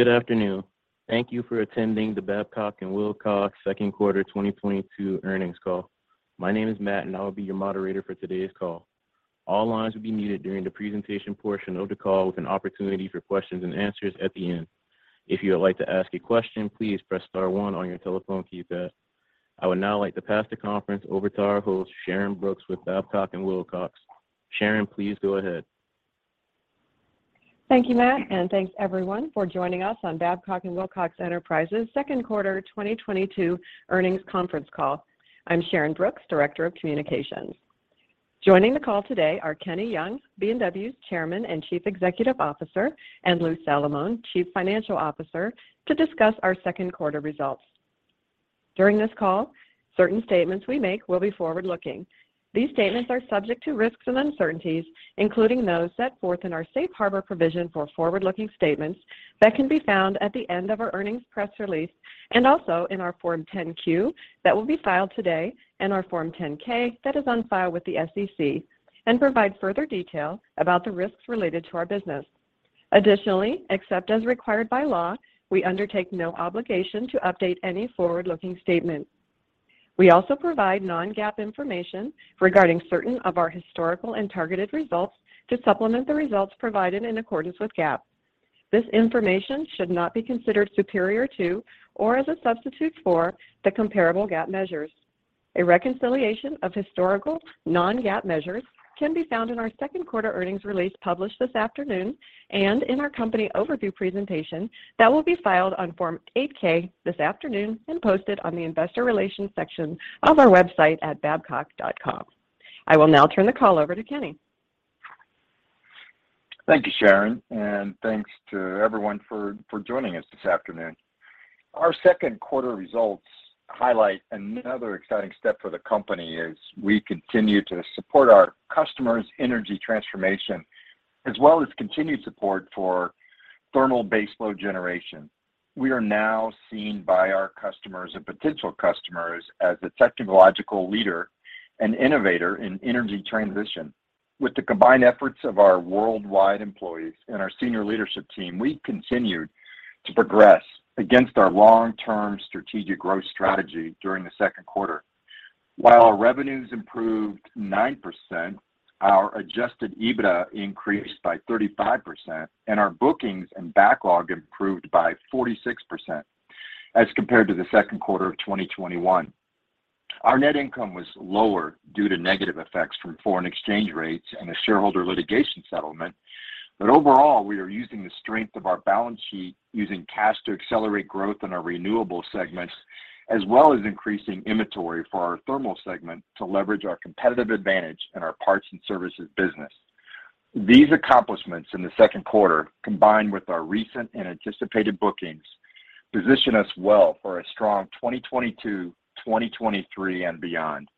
Good afternoon. Thank you for attending the Babcock & Wilcox second quarter 2022 earnings call. My name is Matt, and I will be your moderator for today's call. All lines will be muted during the presentation portion of the call with an opportunity for questions-and-answers at the end. If you would like to ask a question, please press star one on your telephone keypad. I would now like to pass the conference over to our host, Sharyn Brooks, with Babcock & Wilcox. Sharyn, please go ahead. Thank you, Matt, and thanks everyone for joining us on Babcock & Wilcox Enterprises second quarter 2022 earnings conference call. I'm Sharyn Brooks, Director of Communications. Joining the call today are Kenneth Young, B&W's Chairman and Chief Executive Officer, and Louis Salamone, Chief Financial Officer, to discuss our second quarter results. During this call, certain statements we make will be forward-looking. These statements are subject to risks and uncertainties, including those set forth in our safe harbor provision for forward-looking statements that can be found at the end of our earnings press release and also in our Form 10-Q that will be filed today and our Form 10-K that is on file with the SEC and provide further detail about the risks related to our business. Additionally, except as required by law, we undertake no obligation to update any forward-looking statement. We also provide non-GAAP information regarding certain of our historical and targeted results to supplement the results provided in accordance with GAAP. This information should not be considered superior to or as a substitute for the comparable GAAP measures. A reconciliation of historical non-GAAP measures can be found in our second quarter earnings release published this afternoon and in our company overview presentation that will be filed on Form 8-K this afternoon and posted on the investor relations section of our website at babcock.com. I will now turn the call over to Kenny. Thank you, Sharyn, and thanks to everyone for joining us this afternoon. Our second quarter results highlight another exciting step for the company as we continue to support our customers' energy transformation, as well as continued support for thermal baseload generation. We are now seen by our customers and potential customers as a technological leader and innovator in energy transition. With the combined efforts of our worldwide employees and our senior leadership team, we continued to progress against our long-term strategic growth strategy during the second quarter. While our revenues improved 9%, our adjusted EBITDA increased by 35%, and our bookings and backlog improved by 46% as compared to the second quarter of 2021. Our net income was lower due to negative effects from foreign exchange rates and a shareholder litigation settlement. Overall, we are using the strength of our balance sheet using cash to accelerate growth in our renewable segments, as well as increasing inventory for our thermal segment to leverage our competitive advantage in our parts and services business. These accomplishments in the second quarter, combined with our recent and anticipated bookings, position us well for a strong 2022, 2023 and beyond.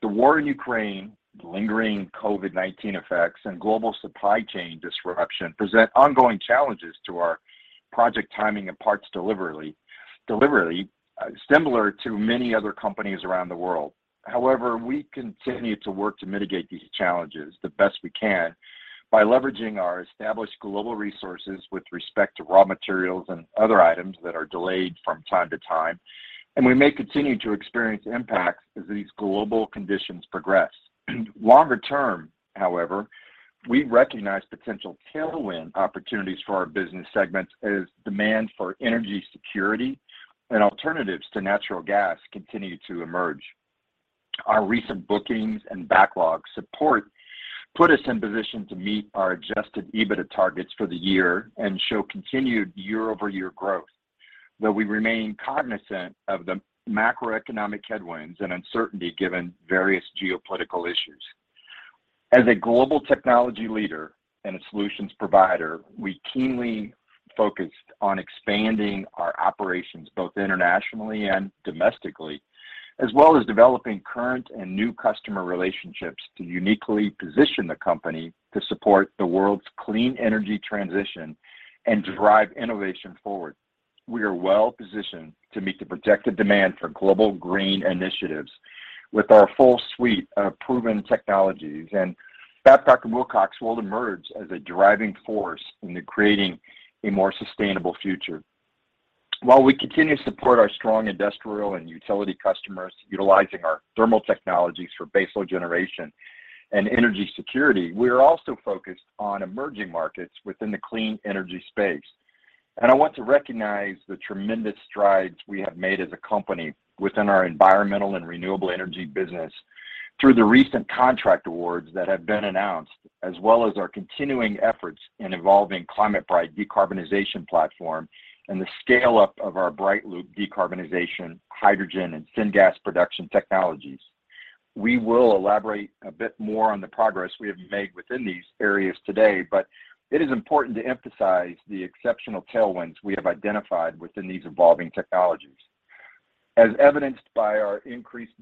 The war in Ukraine, the lingering COVID-19 effects, and global supply chain disruption present ongoing challenges to our project timing and parts delivery, similar to many other companies around the world. However, we continue to work to mitigate these challenges the best we can by leveraging our established global resources with respect to raw materials and other items that are delayed from time to time, and we may continue to experience impacts as these global conditions progress. Longer term, however, we recognize potential tailwind opportunities for our business segments as demand for energy security and alternatives to natural gas continue to emerge. Our recent bookings and backlog support put us in position to meet our adjusted EBITDA targets for the year and show continued year-over-year growth, though we remain cognizant of the macroeconomic headwinds and uncertainty given various geopolitical issues. As a global technology leader and a solutions provider, we keenly focused on expanding our operations both internationally and domestically, as well as developing current and new customer relationships to uniquely position the company to support the world's clean energy transition and drive innovation forward. We are well positioned to meet the projected demand for global green initiatives with our full suite of proven technologies, and Babcock & Wilcox will emerge as a driving force into creating a more sustainable future. While we continue to support our strong industrial and utility customers utilizing our thermal technologies for baseload generation and energy security, we are also focused on emerging markets within the clean energy space. I want to recognize the tremendous strides we have made as a company within our environmental and renewable energy business through the recent contract awards that have been announced, as well as our continuing efforts in evolving ClimateBright decarbonization platform and the scale-up of our BrightLoop decarbonization, hydrogen, and syngas production technologies. We will elaborate a bit more on the progress we have made within these areas today, but it is important to emphasize the exceptional tailwinds we have identified within these evolving technologies. As evidenced by our increased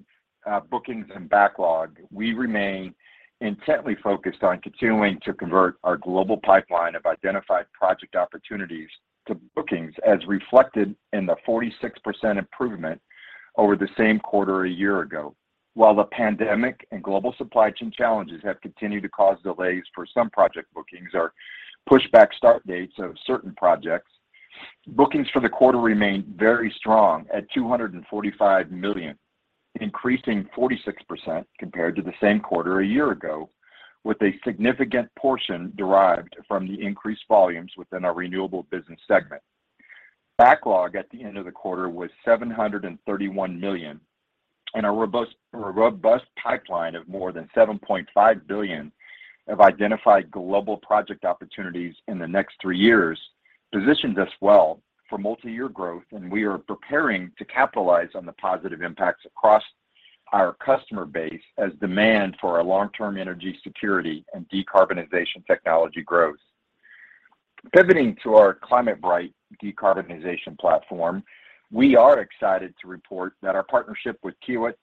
bookings and backlog, we remain intently focused on continuing to convert our global pipeline of identified project opportunities to bookings, as reflected in the 46% improvement over the same quarter a year ago. While the pandemic and global supply chain challenges have continued to cause delays for some project bookings or push back start dates of certain projects, bookings for the quarter remained very strong at $245 million, increasing 46% compared to the same quarter a year ago, with a significant portion derived from the increased volumes within our renewable business segment. Backlog at the end of the quarter was $731 million, and our robust pipeline of more than $7.5 billion of identified global project opportunities in the next three years positions us well for multiyear growth, and we are preparing to capitalize on the positive impacts across our customer base as demand for our long-term energy security and decarbonization technology grows. Pivoting to our ClimateBright decarbonization platform, we are excited to report that our partnership with Kiewit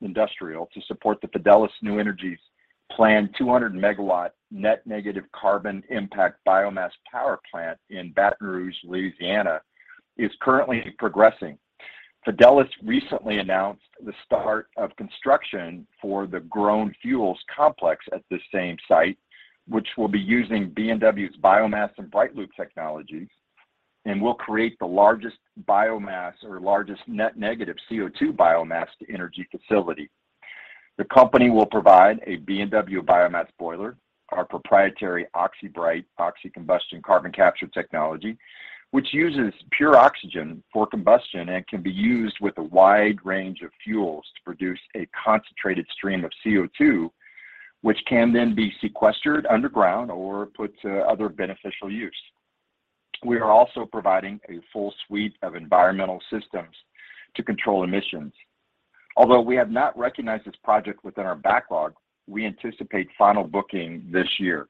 Industrial to support the Fidelis New Energy's planned 200 MW net negative carbon impact biomass power plant in Baton Rouge, Louisiana, is currently progressing. Fidelis recently announced the start of construction for the Grön Fuels Complex at the same site, which will be using B&W's biomass and BrightLoop technologies and will create the largest net negative CO2 biomass-to-energy facility. The company will provide a B&W biomass boiler, our proprietary OxyBright oxy-combustion carbon capture technology, which uses pure oxygen for combustion and can be used with a wide range of fuels to produce a concentrated stream of CO2, which can then be sequestered underground or put to other beneficial use. We are also providing a full suite of environmental systems to control emissions. Although we have not recognized this project within our backlog, we anticipate final booking this year.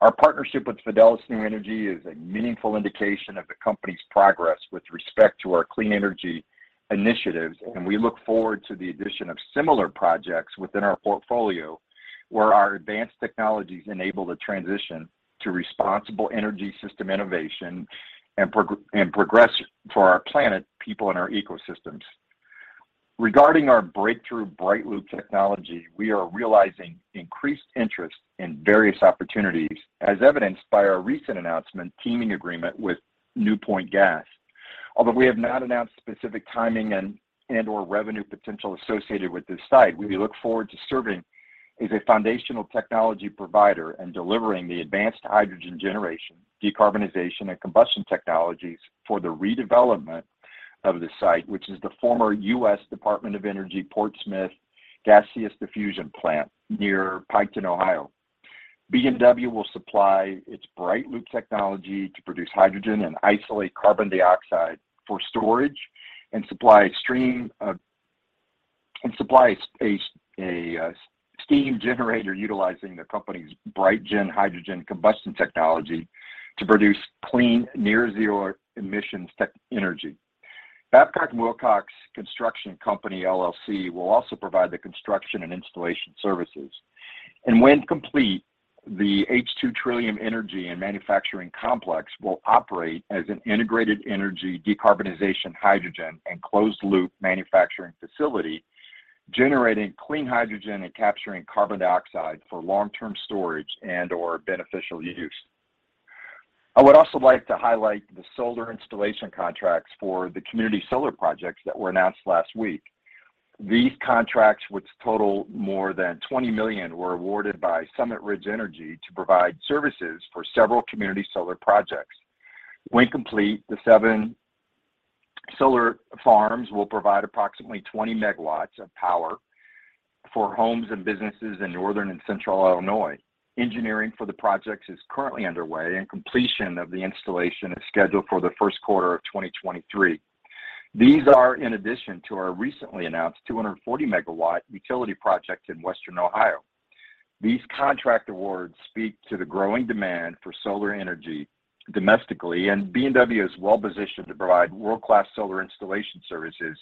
Our partnership with Fidelis New Energy is a meaningful indication of the company's progress with respect to our clean energy initiatives, and we look forward to the addition of similar projects within our portfolio where our advanced technologies enable the transition to responsible energy system innovation and progress for our planet, people, and our ecosystems. Regarding our breakthrough BrightLoop technology, we are realizing increased interest in various opportunities, as evidenced by our recently announced teaming agreement with Newpoint Gas. Although we have not announced specific timing and/or revenue potential associated with this site, we look forward to serving as a foundational technology provider and delivering the advanced hydrogen generation, decarbonization, and combustion technologies for the redevelopment of the site, which is the former U.S. Department of Energy Portsmouth Gaseous Diffusion Plant near Piketon, Ohio. B&W will supply its BrightLoop technology to produce hydrogen and isolate carbon dioxide for storage and supply a steam generator utilizing the company's BrightGen hydrogen combustion technology to produce clean, near-zero emissions thermal energy. Babcock & Wilcox Construction Co., LLC will also provide the construction and installation services. When complete, the h2Trillium Energy and Manufacturing Complex will operate as an integrated energy decarbonization hydrogen and closed loop manufacturing facility, generating clean hydrogen and capturing carbon dioxide for long-term storage and/or beneficial use. I would also like to highlight the solar installation contracts for the community solar projects that were announced last week. These contracts, which total more than $20 million, were awarded by Summit Ridge Energy to provide services for several community solar projects. When complete, the seven solar farms will provide approximately 20 MW of power for homes and businesses in northern and central Illinois. Engineering for the projects is currently underway, and completion of the installation is scheduled for the first quarter of 2023. These are in addition to our recently announced 240 MW utility project in western Ohio. These contract awards speak to the growing demand for solar energy domestically, and B&W is well-positioned to provide world-class solar installation services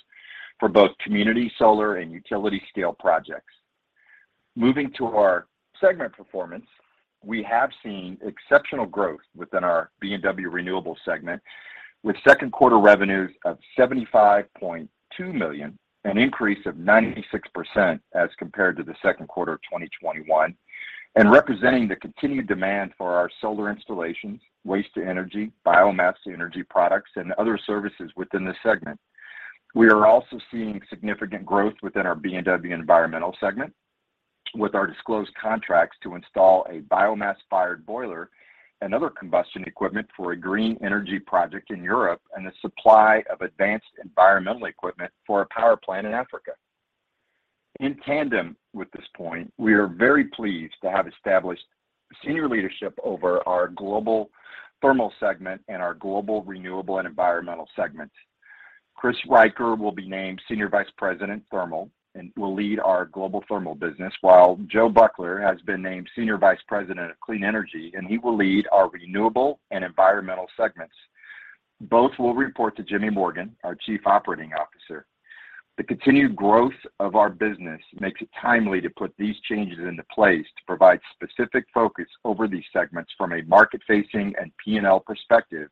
for both community solar and utility-scale projects. Moving to our segment performance, we have seen exceptional growth within our B&W Renewable segment, with second quarter revenues of $75.2 million, an increase of 96% as compared to the second quarter of 2021, and representing the continued demand for our solar installations, waste-to-energy, biomass-to-energy products, and other services within this segment. We are also seeing significant growth within our B&W Environmental segment with our disclosed contracts to install a biomass-fired boiler and other combustion equipment for a green energy project in Europe and the supply of advanced environmental equipment for a power plant in Africa. In tandem with this point, we are very pleased to have established senior leadership over our Global Thermal segment and our Global Renewable and Environmental segments. Chris Riker will be named Senior Vice President, Thermal, and will lead our Global Thermal business, while Joe Buckler has been named Senior Vice President of Clean Energy, and he will lead our Renewable and Environmental segments. Both will report to Jimmy Morgan, our Chief Operating Officer. The continued growth of our business makes it timely to put these changes into place to provide specific focus over these segments from a market-facing and P&L perspective.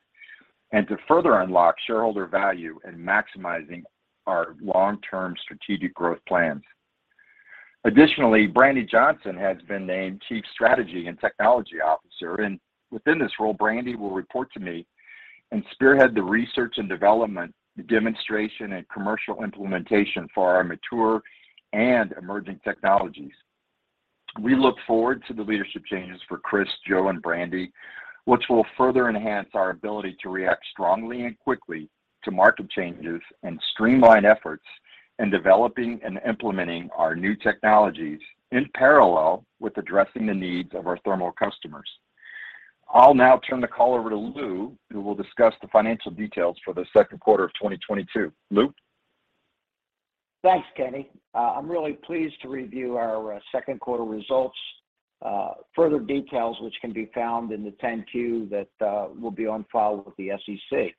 To further unlock shareholder value in maximizing our long-term strategic growth plans. Additionally, Brandy Johnson has been named Chief Strategy and Technology Officer, and within this role, Brandy will report to me and spearhead the research and development, the demonstration and commercial implementation for our mature and emerging technologies. We look forward to the leadership changes for Chris, Joe, and Brandy, which will further enhance our ability to react strongly and quickly to market changes and streamline efforts in developing and implementing our new technologies in parallel with addressing the needs of our thermal customers. I'll now turn the call over to Lou, who will discuss the financial details for the second quarter of 2022. Lou? Thanks, Kenny. I'm really pleased to review our second quarter results, further details which can be found in the 10-Q that will be on file with the SEC.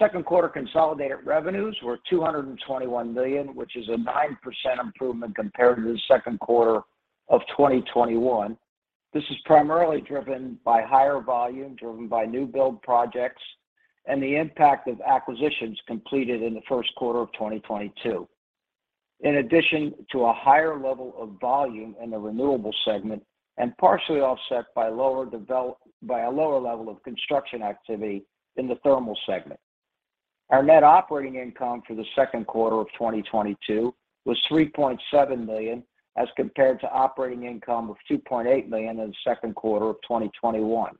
Second quarter consolidated revenues were $221 million, which is a 9% improvement compared to the second quarter of 2021. This is primarily driven by higher volume, driven by new build projects, and the impact of acquisitions completed in the first quarter of 2022. In addition to a higher level of volume in the renewable segment and partially offset by a lower level of construction activity in the thermal segment. Our net operating income for the second quarter of 2022 was $3.7 million, as compared to operating income of $2.8 million in the second quarter of 2021.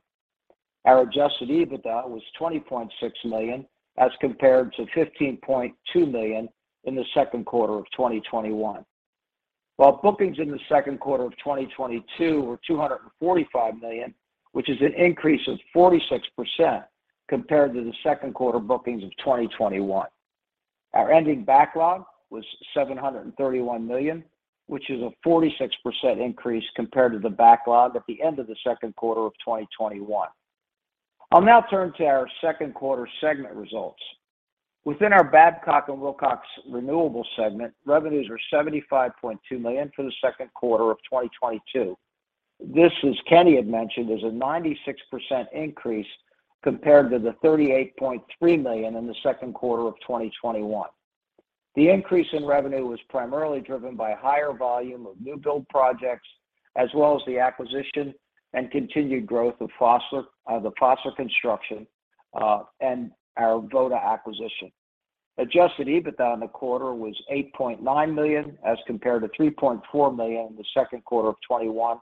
Our adjusted EBITDA was $20.6 million, as compared to $15.2 million in the second quarter of 2021. While bookings in the second quarter of 2022 were $245 million, which is an increase of 46% compared to the second quarter bookings of 2021. Our ending backlog was $731 million, which is a 46% increase compared to the backlog at the end of the second quarter of 2021. I'll now turn to our second quarter segment results. Within our Babcock & Wilcox Renewable segment, revenues were $75.2 million for the second quarter of 2022. This, as Kenny had mentioned, is a 96% increase compared to the $38.3 million in the second quarter of 2021. The increase in revenue was primarily driven by higher volume of new build projects, as well as the acquisition and continued growth of Fossil, the Fossil Power Systems, and our Götaverken Miljö acquisition. Adjusted EBITDA in the quarter was $8.9 million, as compared to $3.4 million in the second quarter of 2021,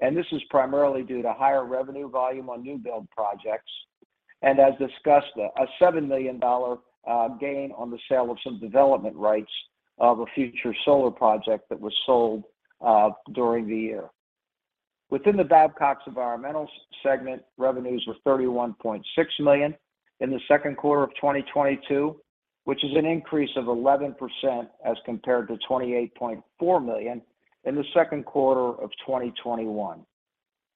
and this is primarily due to higher revenue volume on new build projects. As discussed, a $7 million gain on the sale of some development rights of a future solar project that was sold during the year. Within B&W Environmental, revenues were $31.6 million in the second quarter of 2022, which is an increase of 11% as compared to $28.4 million in the second quarter of 2021.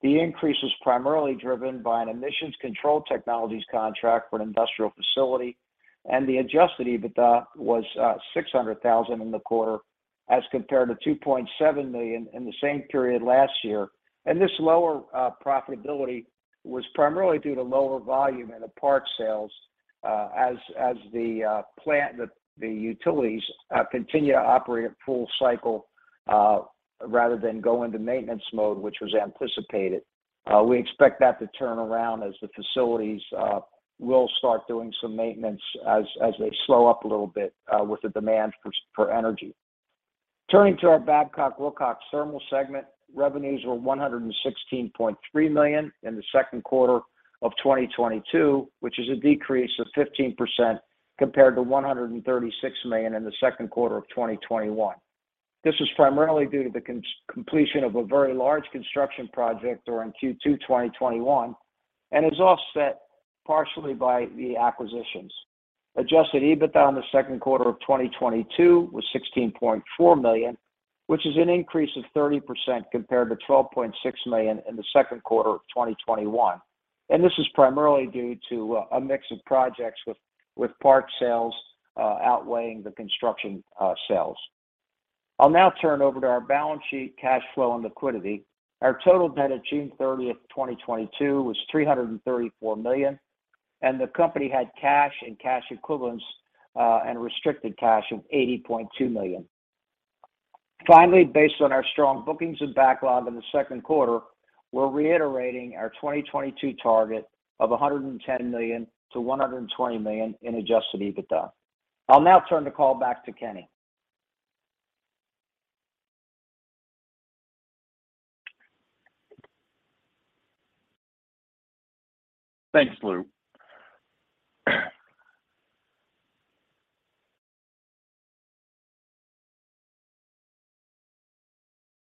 The increase is primarily driven by an emissions control technologies contract for an industrial facility, and the adjusted EBITDA was $600,000 in the quarter as compared to $2.7 million in the same period last year. This lower profitability was primarily due to lower volume in the parts sales, as the plant that the utilities continue to operate at full cycle, rather than go into maintenance mode, which was anticipated. We expect that to turn around as the facilities will start doing some maintenance as they slow up a little bit, with the demand for energy. Turning to our Babcock & Wilcox thermal segment, revenues were $116.3 million in the second quarter of 2022, which is a decrease of 15% compared to $136 million in the second quarter of 2021. This is primarily due to the completion of a very large construction project during Q2 2021, and is offset partially by the acquisitions. Adjusted EBITDA in the second quarter of 2022 was $16.4 million, which is an increase of 30% compared to $12.6 million in the second quarter of 2021. This is primarily due to a mix of projects with parts sales outweighing the construction sales. I'll now turn over to our balance sheet, cash flow, and liquidity. Our total debt at June 30, 2022 was $334 million, and the company had cash and cash equivalents and restricted cash of $80.2 million. Finally, based on our strong bookings and backlog in the second quarter, we're reiterating our 2022 target of $110 million-$120 million in adjusted EBITDA. I'll now turn the call back to Kenny. Thanks, Lou.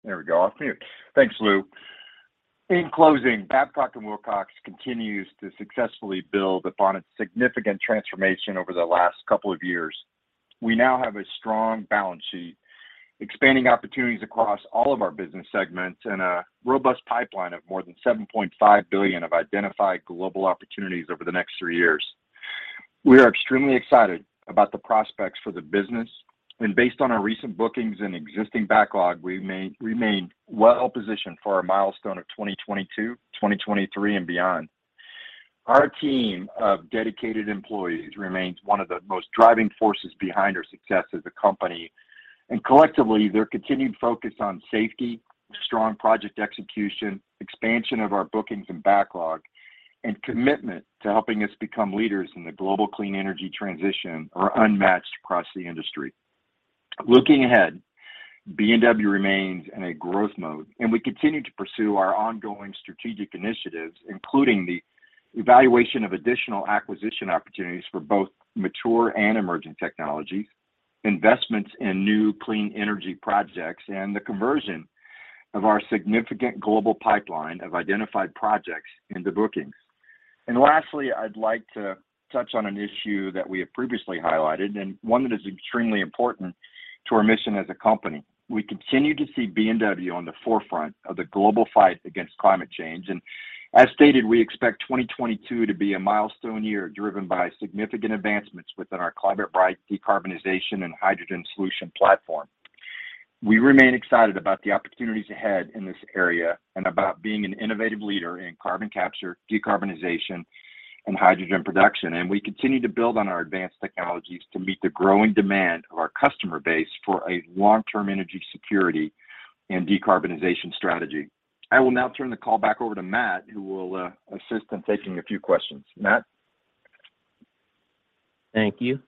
There we go. Thanks, Lou. In closing, Babcock & Wilcox continues to successfully build upon its significant transformation over the last couple of years. We now have a strong balance sheet, expanding opportunities across all of our business segments, and a robust pipeline of more than $7.5 billion of identified global opportunities over the next three years. We are extremely excited about the prospects for the business. Based on our recent bookings and existing backlog, we may remain well positioned for our milestone of 2022, 2023, and beyond. Our team of dedicated employees remains one of the most driving forces behind our success as a company, and collectively, their continued focus on safety, strong project execution, expansion of our bookings and backlog, and commitment to helping us become leaders in the global clean energy transition are unmatched across the industry. Looking ahead, B&W remains in a growth mode, and we continue to pursue our ongoing strategic initiatives, including the evaluation of additional acquisition opportunities for both mature and emerging technologies, investments in new clean energy projects, and the conversion of our significant global pipeline of identified projects into bookings. Lastly, I'd like to touch on an issue that we have previously highlighted and one that is extremely important to our mission as a company. We continue to see B&W on the forefront of the global fight against climate change. As stated, we expect 2022 to be a milestone year, driven by significant advancements within our ClimateBright decarbonization and hydrogen solution platform. We remain excited about the opportunities ahead in this area and about being an innovative leader in carbon capture, decarbonization, and hydrogen production. We continue to build on our advanced technologies to meet the growing demand of our customer base for a long-term energy security and decarbonization strategy. I will now turn the call back over to Matt, who will assist in taking a few questions. Matt? Thank you.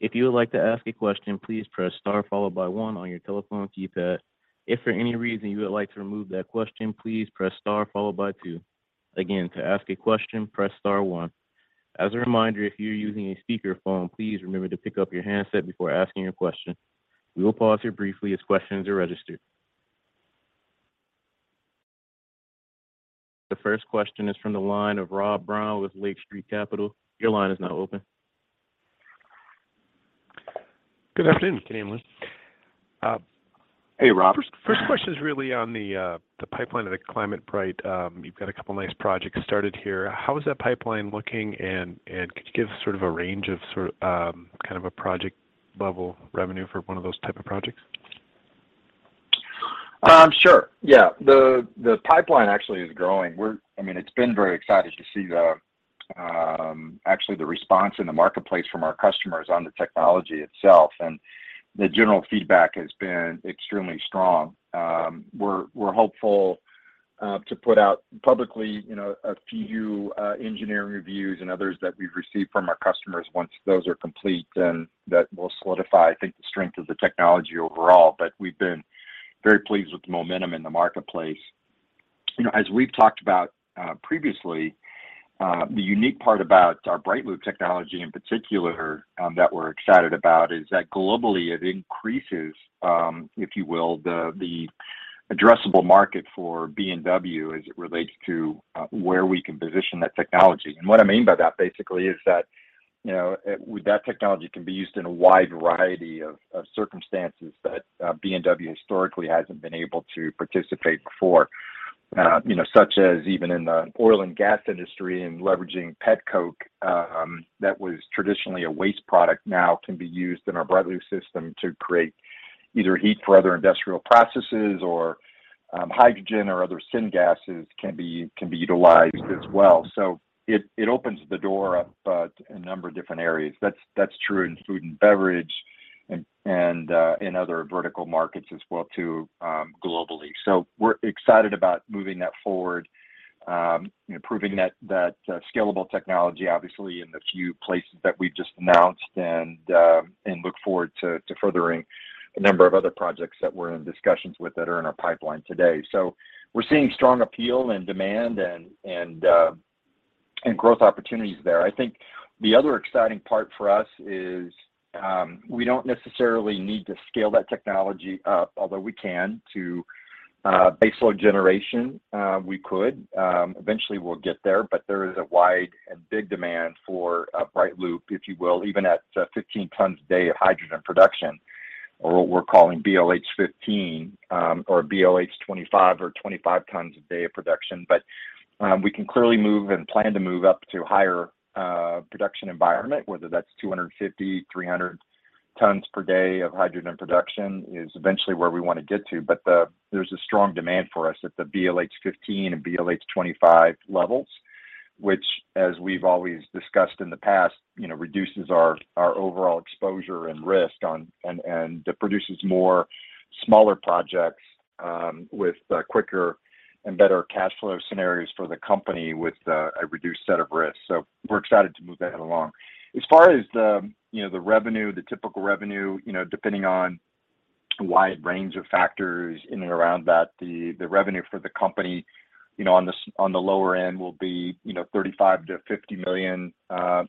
If you would like to ask a question, please press star followed by one on your telephone keypad. If for any reason you would like to remove that question, please press star followed by two. Again, to ask a question, press star one. As a reminder, if you're using a speakerphone, please remember to pick up your handset before asking your question. We will pause here briefly as questions are registered. The first question is from the line of Rob Brown with Lake Street Capital Markets. Your line is now open. Good afternoon. Can you hear me? Hey, Rob. First question is really on the pipeline of the ClimateBright. You've got a couple nice projects started here. How is that pipeline looking? Could you give sort of a range of sort of kind of a project level revenue for one of those type of projects? Sure, yeah. The pipeline actually is growing. I mean, it's been very exciting to see the actually the response in the marketplace from our customers on the technology itself, and the general feedback has been extremely strong. We're hopeful to put out publicly, you know, a few engineering reviews and others that we've received from our customers. Once those are complete, then that will solidify, I think, the strength of the technology overall. We've been very pleased with the momentum in the marketplace. You know, as we've talked about previously, the unique part about our BrightLoop technology in particular that we're excited about is that globally it increases, if you will, the addressable market for B&W as it relates to where we can position that technology. What I mean by that basically is that, you know, with that technology can be used in a wide variety of circumstances that B&W historically hasn't been able to participate before. You know, such as even in the oil and gas industry and leveraging petcoke that was traditionally a waste product now can be used in our BrightLoop system to create either heat for other industrial processes or hydrogen or other syngases can be utilized as well. It opens the door up to a number of different areas. That's true in food and beverage and in other vertical markets as well too, globally. We're excited about moving that forward, improving that scalable technology, obviously in the few places that we've just announced and look forward to furthering a number of other projects that we're in discussions with that are in our pipeline today. We're seeing strong appeal and demand and growth opportunities there. I think the other exciting part for us is we don't necessarily need to scale that technology up, although we can to baseload generation, we could. Eventually we'll get there, but there is a wide and big demand for a BrightLoop, if you will, even at 15 tons a day of hydrogen production or what we're calling BLH-15, or BLH-25 or 25 tons a day of production. We can clearly move and plan to move up to higher production environment, whether that's 250-300 tons per day of hydrogen production is eventually where we want to get to. There's a strong demand for us at the BLH-15 and BLH-25 levels, which as we've always discussed in the past, you know, reduces our overall exposure and risk and produces more smaller projects with quicker and better cash flow scenarios for the company with a reduced set of risks. We're excited to move that along. As far as the, you know, revenue, the typical revenue, you know, depending on wide range of factors in and around that, the revenue for the company, you know, on the lower end will be, you know, $35-$50 million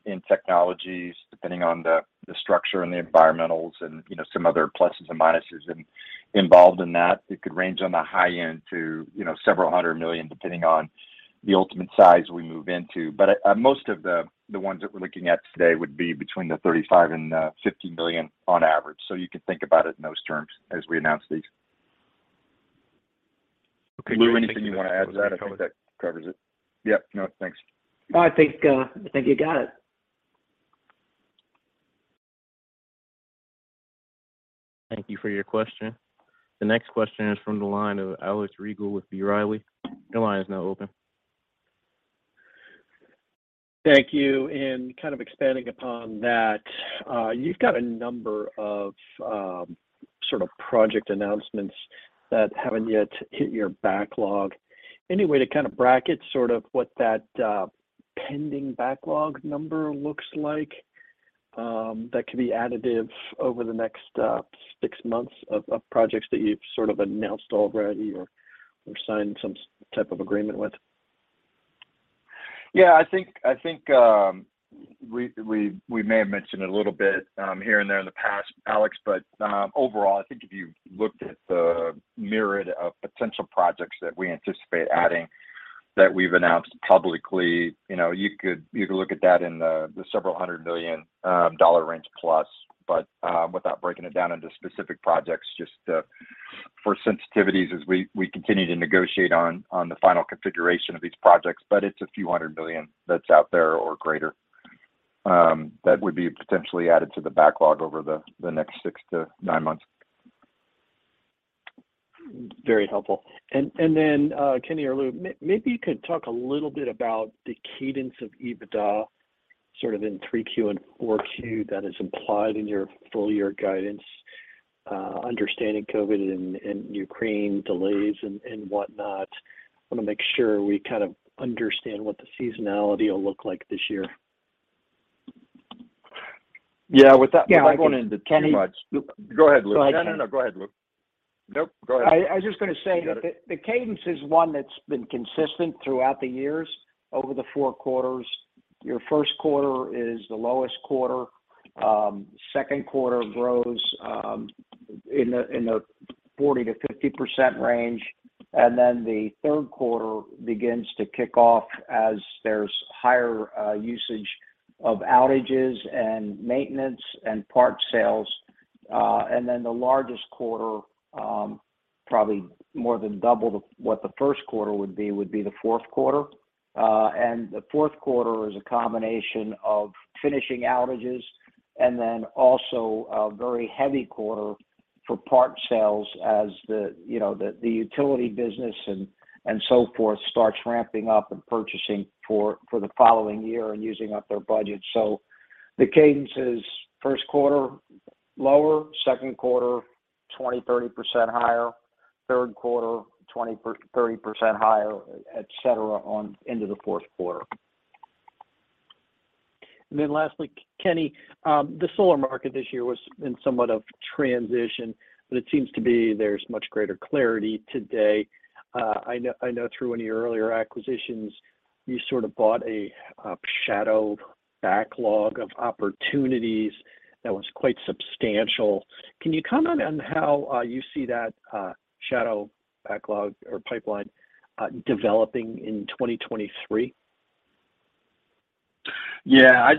in technologies depending on the structure and the environmentals and, you know, some other pluses and minuses involved in that. It could range on the high end to, you know, $several hundred million depending on the ultimate size we move into. Most of the ones that we're looking at today would be between the 35 and 50 million on average. You can think about it in those terms as we announce these. Lou, anything you want to add to that, or that covers it? Yeah. No, thanks. No, I think you got it. Thank you for your question. The next question is from the line of Alex Rygiel with B. Riley. Your line is now open. Thank you. In kind of expanding upon that, you've got a number of sort of project announcements that haven't yet hit your backlog. Any way to kind of bracket sort of what that pending backlog number looks like, that could be additive over the next six months of projects that you've sort of announced already or signed some type of agreement with? Yeah, I think we may have mentioned it a little bit here and there in the past, Alex. Overall, I think if you looked at the myriad of potential projects that we anticipate adding that we've announced publicly, you know, you could look at that in the several hundred million dollar range plus. Without breaking it down into specific projects, just for sensitivities as we continue to negotiate on the final configuration of these projects. It's a few hundred billion that's out there or greater that would be potentially added to the backlog over the next 6-9 months. Very helpful. Then Kenny or Lou, maybe you could talk a little bit about the cadence of EBITDA, sort of in 3Q and 4Q that is implied in your full year guidance, understanding COVID and Ukraine delays and whatnot. Wanna make sure we kind of understand what the seasonality will look like this year. Yeah. With that. Yeah, I can. Too much. Kenny- Go ahead, Lou. Go ahead, Kenny. No, no. Go ahead, Lou. Nope, go ahead. I was just gonna say that the cadence is one that's been consistent throughout the years over the four quarters. Your first quarter is the lowest quarter. Second quarter grows in the 40%-50% range. The third quarter begins to kick off as there's higher usage of outages and maintenance and parts sales. The largest quarter, probably more than double what the first quarter would be, would be the fourth quarter. The fourth quarter is a combination of finishing outages and then also a very heavy quarter for parts sales as the, you know, the utility business and so forth starts ramping up and purchasing for the following year and using up their budget. The cadence is first quarter lower, second quarter 20%, 30% higher, third quarter 20% 30% higher, et cetera, on into the fourth quarter. Then lastly, Kenny, the solar market this year was in somewhat of transition, but it seems to be there's much greater clarity today. I know through one of your earlier acquisitions, you sort of bought a shadow backlog of opportunities that was quite substantial. Can you comment on how you see that shadow backlog or pipeline developing in 2023? Yeah.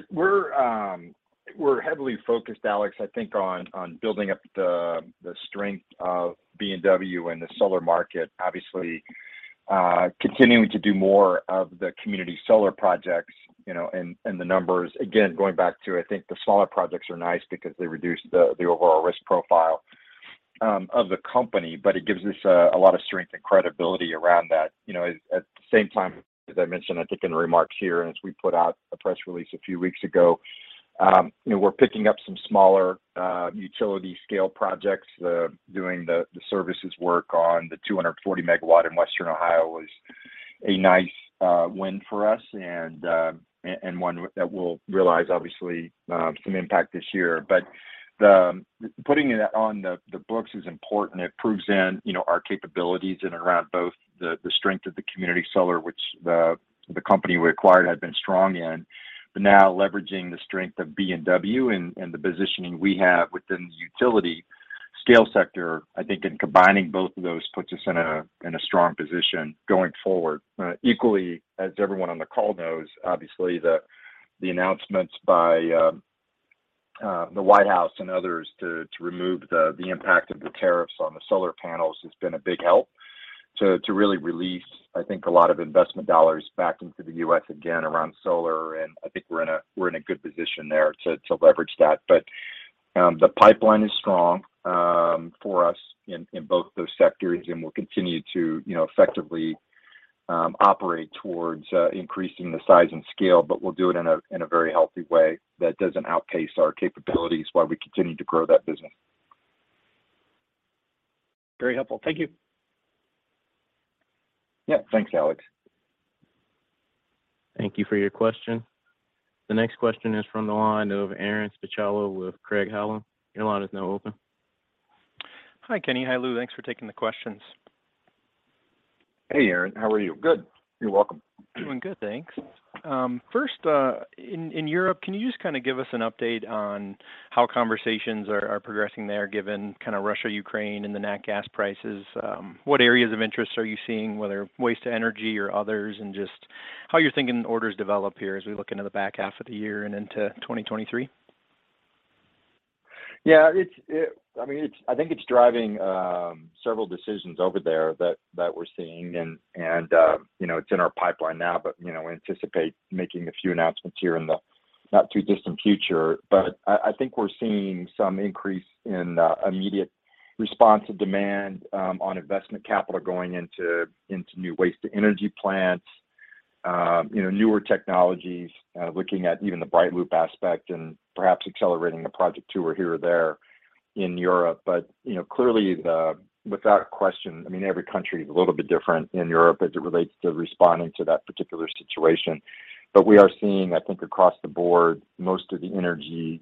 We're heavily focused, Alex, I think on building up the strength of B&W in the solar market. Obviously, continuing to do more of the community solar projects, you know, and the numbers. Again, going back to, I think, the smaller projects are nice because they reduce the overall risk profile of the company. It gives us a lot of strength and credibility around that. You know, at the same time, as I mentioned, I think in remarks here and as we put out a press release a few weeks ago, you know, we're picking up some smaller utility-scale projects. Doing the services work on the 240 MW in Western Ohio was a nice win for us and one that we'll realize obviously some impact this year. Putting it on the books is important. It proves, you know, our capabilities in and around both the strength of the community solar which the company we acquired had been strong in. Now leveraging the strength of B&W and the positioning we have within the utility scale sector, I think in combining both of those puts us in a strong position going forward. Equally, as everyone on the call knows, obviously the announcements by the White House and others to remove the impact of the tariffs on the solar panels has been a big help to really release, I think, a lot of investment dollars back into the U.S. again around solar. I think we're in a good position there to leverage that. The pipeline is strong for us in both those sectors, and we'll continue to, you know, effectively operate towards increasing the size and scale. We'll do it in a very healthy way that doesn't outpace our capabilities while we continue to grow that business. Very helpful. Thank you. Yeah. Thanks, Alex. Thank you for your question. The next question is from the line of Aaron Spychalla with Craig-Hallum. Your line is now open. Hi, Kenny. Hi, Lou. Thanks for taking the questions. Hey, Aaron. How are you? Good. You're welcome. Doing good, thanks. First, in Europe, can you just kinda give us an update on how conversations are progressing there given kinda Russia, Ukraine and the nat gas prices? What areas of interest are you seeing, whether waste to energy or others, and just how you're thinking orders develop here as we look into the back half of the year and into 2023? Yeah, I mean, I think it's driving several decisions over there that we're seeing and, you know, it's in our pipeline now, but, you know, anticipate making a few announcements here in the not too distant future. But I think we're seeing some increase in immediate response to demand on investment capital going into new waste-to-energy plants, you know, newer technologies, looking at even the BrightLoop aspect and perhaps accelerating a project or two here or there in Europe. But, you know, clearly without question, I mean, every country is a little bit different in Europe as it relates to responding to that particular situation. We are seeing, I think, across the board, most of the energy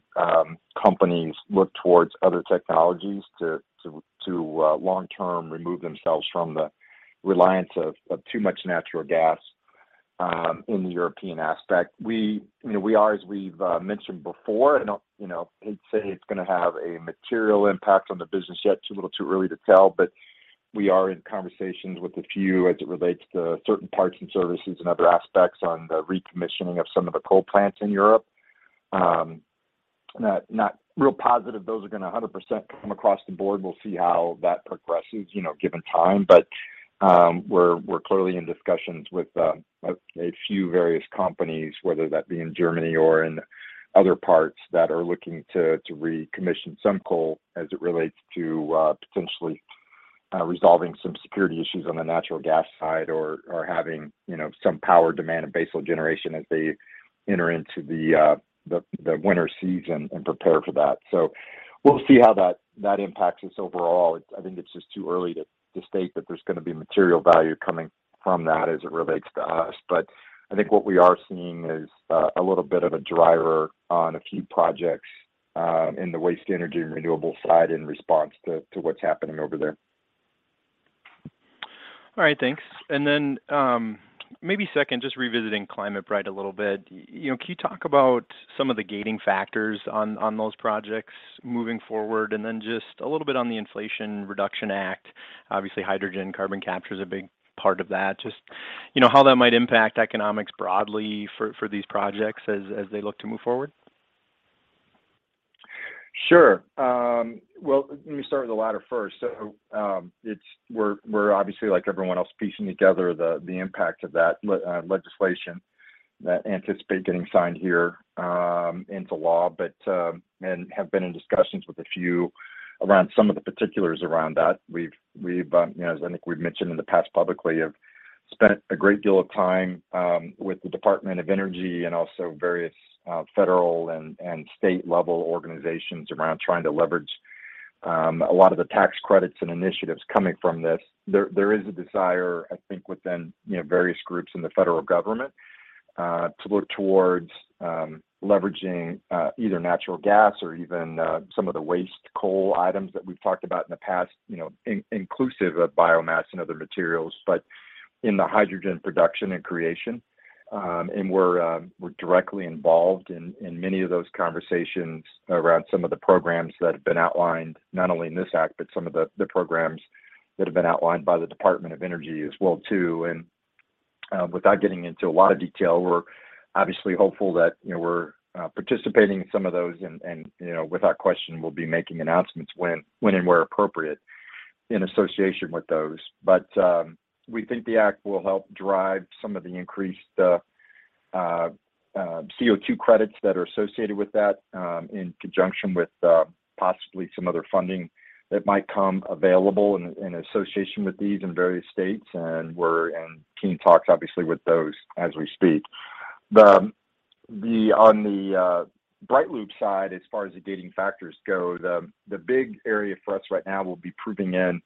companies look towards other technologies to long term remove themselves from the reliance of too much natural gas in the European aspect. We, you know, we are, as we've mentioned before, and I'll, you know, hate to say it's going to have a material impact on the business yet, too little, too early to tell, but we are in conversations with a few as it relates to certain parts and services and other aspects on the recommissioning of some of the coal plants in Europe. Not real positive those are going to 100% come across the board. We'll see how that progresses, you know, given time. We're clearly in discussions with a few various companies, whether that be in Germany or in other parts that are looking to recommission some coal as it relates to potentially resolving some security issues on the natural gas side or having, you know, some power demand and baseload generation as they enter into the winter season and prepare for that. We'll see how that impacts us overall. I think it's just too early to state that there's going to be material value coming from that as it relates to us. I think what we are seeing is a little bit of a driver on a few projects in the waste-to-energy and renewable side in response to what's happening over there. All right. Thanks. Maybe second, just revisiting ClimateBright a little bit. You know, can you talk about some of the gating factors on those projects moving forward? Just a little bit on the Inflation Reduction Act. Obviously, hydrogen carbon capture is a big part of that. Just, you know, how that might impact economics broadly for these projects as they look to move forward. Sure. Well, let me start with the latter first. We're obviously like everyone else, piecing together the impact of that legislation that we anticipate getting signed here into law, but we have been in discussions with a few around some of the particulars around that. We've, you know, as I think we've mentioned in the past publicly, have spent a great deal of time with the Department of Energy and also various federal and state level organizations around trying to leverage a lot of the tax credits and initiatives coming from this. There is a desire, I think, within, you know, various groups in the federal government, to look towards leveraging either natural gas or even some of the waste coal items that we've talked about in the past, you know, inclusive of biomass and other materials, but in the hydrogen production and creation. We're directly involved in many of those conversations around some of the programs that have been outlined not only in this act, but some of the programs that have been outlined by the Department of Energy as well too. Without getting into a lot of detail, we're obviously hopeful that, you know, we're participating in some of those and, you know, without question, we'll be making announcements when and where appropriate in association with those. We think the act will help drive some of the increased CO2 credits that are associated with that, in conjunction with possibly some other funding that might become available in association with these in various states. We're in keen talks, obviously, with those as we speak. On the BrightLoop side, as far as the gating factors go, the big area for us right now will be proving in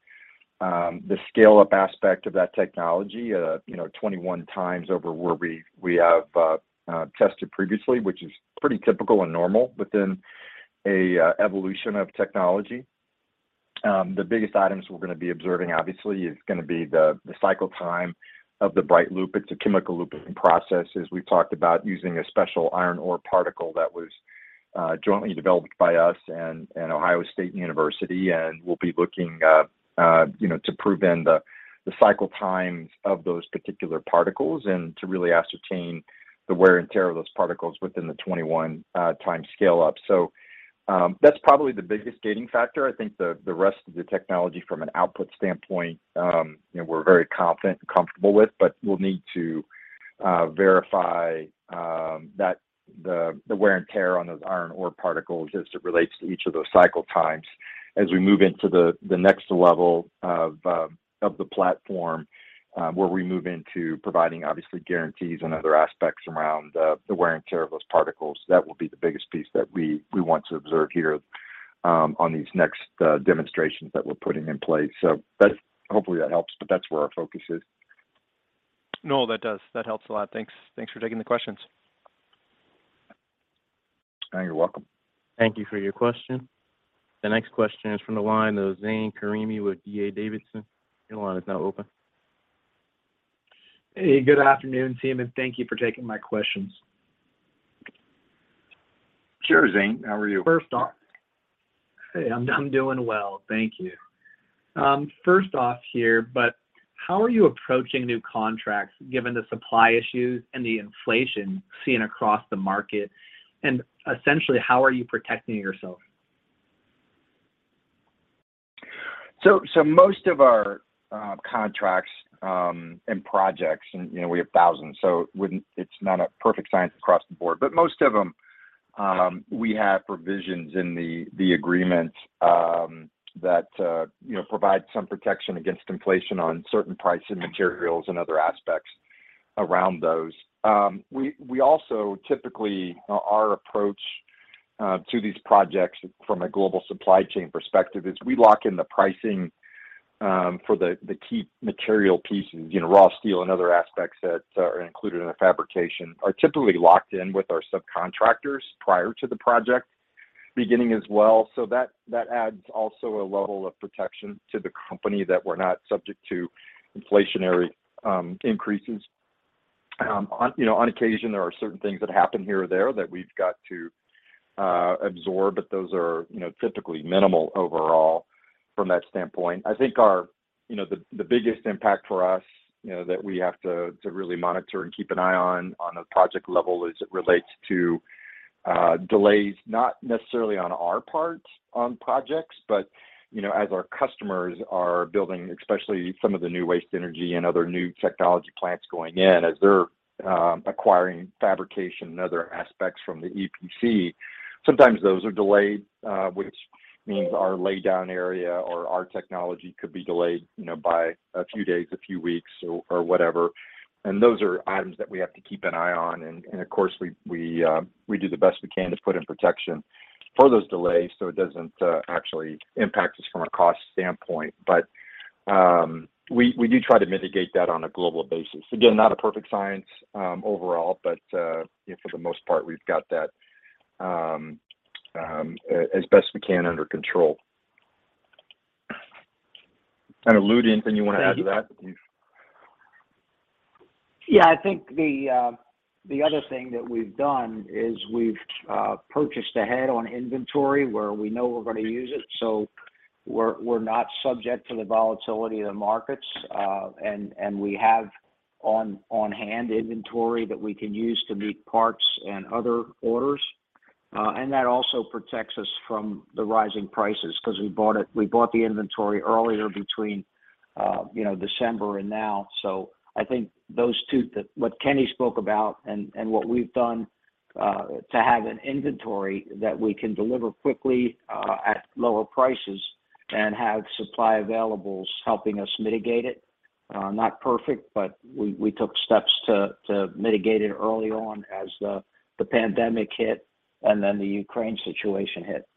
the scale-up aspect of that technology at a you know 21x over where we have tested previously, which is pretty typical and normal within an evolution of technology. The biggest items we're gonna be observing obviously is gonna be the cycle time of the BrightLoop. It's a chemical looping process as we've talked about using a special iron ore particle that was jointly developed by us and The Ohio State University. We'll be looking, you know, to prove in the cycle times of those particular particles and to really ascertain the wear and tear of those particles within the 21 times scale up. That's probably the biggest gating factor. I think the rest of the technology from an output standpoint, you know, we're very confident and comfortable with. We'll need to verify that the wear and tear on those iron ore particles as it relates to each of those cycle times as we move into the next level of the platform where we move into providing obviously guarantees and other aspects around the wear and tear of those particles. That will be the biggest piece that we want to observe here on these next demonstrations that we're putting in place. Hopefully that helps, but that's where our focus is. No, that does. That helps a lot. Thanks. Thanks for taking the questions. You're welcome. Thank you for your question. The next question is from the line of Zane Karimi with D.A. Davidson. Your line is now open. Hey, good afternoon, team, and thank you for taking my questions. Sure, Zane. How are you? Hey, I'm doing well. Thank you. First off here, but how are you approaching new contracts given the supply issues and the inflation seen across the market? Essentially, how are you protecting yourself? Most of our contracts and projects, you know, we have thousands, it's not a perfect science across the board. Most of them, we have provisions in the agreement that, you know, provide some protection against inflation on certain price and materials and other aspects around those. We also typically, our approach to these projects from a global supply chain perspective is we lock in the pricing for the key material pieces. You know, raw steel and other aspects that are included in the fabrication are typically locked in with our subcontractors prior to the project beginning as well. That adds also a level of protection to the company that we're not subject to inflationary increases. On occasion, there are certain things that happen here or there that we've got to absorb, but those are, you know, typically minimal overall from that standpoint. I think our, you know, the biggest impact for us, you know, that we have to really monitor and keep an eye on a project level as it relates to delays, not necessarily on our part on projects, but, you know, as our customers are building, especially some of the new waste-to-energy and other new technology plants going in, as they're acquiring fabrication and other aspects from the EPC, sometimes those are delayed, which means our laydown area or our technology could be delayed, you know, by a few days, a few weeks or whatever. Those are items that we have to keep an eye on. Of course, we do the best we can to put in protection for those delays so it doesn't actually impact us from a cost standpoint. We do try to mitigate that on a global basis. Again, not a perfect science, overall, but you know, for the most part we've got that as best we can under control. Lou, anything you wanna add to that? Yeah, I think the other thing that we've done is we've purchased ahead on inventory where we know we're gonna use it, so we're not subject to the volatility of the markets. We have on-hand inventory that we can use to meet parts and other orders. That also protects us from the rising prices 'cause we bought the inventory earlier between, you know, December and now. I think those two, what Kenny spoke about and what we've done to have an inventory that we can deliver quickly at lower prices and have supply availables helping us mitigate it. Not perfect, but we took steps to mitigate it early on as the pandemic hit and then the Ukraine situation hit.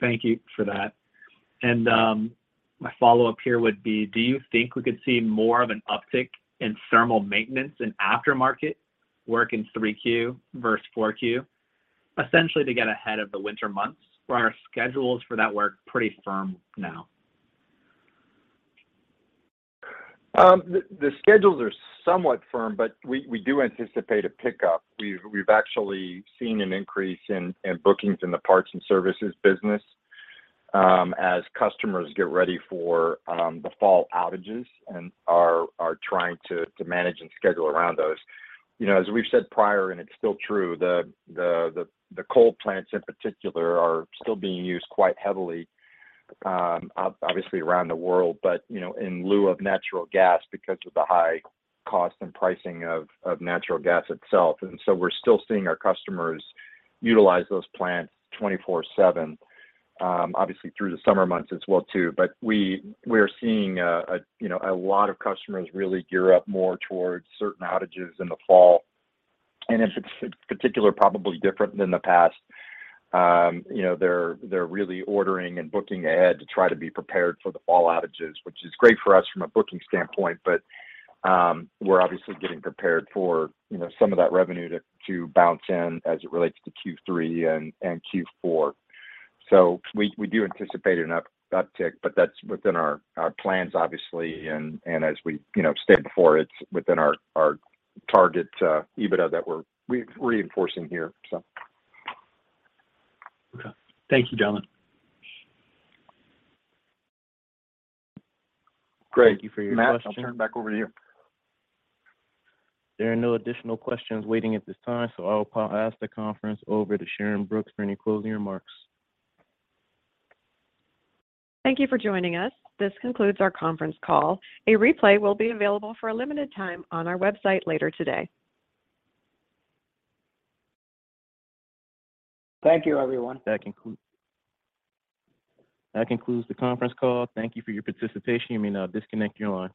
Thank you for that. My follow-up here would be, do you think we could see more of an uptick in thermal maintenance and aftermarket work in 3Q versus 4Q, essentially to get ahead of the winter months? Or are schedules for that work pretty firm now? The schedules are somewhat firm, but we do anticipate a pickup. We've actually seen an increase in bookings in the parts and services business, as customers get ready for the fall outages and are trying to manage and schedule around those. You know, as we've said prior, and it's still true, the coal plants in particular are still being used quite heavily, obviously around the world, but, you know, in lieu of natural gas because of the high cost and pricing of natural gas itself. We're still seeing our customers utilize those plants 24/7, obviously through the summer months as well too. We're seeing, you know, a lot of customers really gear up more towards certain outages in the fall. In particular, probably different than the past, you know, they're really ordering and booking ahead to try to be prepared for the fall outages, which is great for us from a booking standpoint, but we're obviously getting prepared for, you know, some of that revenue to bounce in as it relates to Q3 and Q4. So we do anticipate an uptick, but that's within our plans, obviously. As we, you know, stated before, it's within our target EBITDA that we're reinforcing here, so. Okay. Thank you, gentlemen. Great. Thank you for your question. Matt, I'll turn it back over to you. There are no additional questions waiting at this time, so I'll pass the conference over to Sharyn Brooks for any closing remarks. Thank you for joining us. This concludes our conference call. A replay will be available for a limited time on our website later today. Thank you, everyone. That concludes the conference call. Thank you for your participation. You may now disconnect your line.